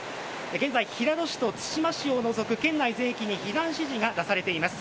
現在、対馬市などをのぞく県内全域に避難指示が出されています。